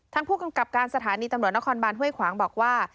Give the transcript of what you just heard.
ทางผู้กำกับการสถานีตำรวจนครบานห้วยขวางบอกว่า